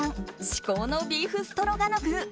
至高のビーフストロガノフ。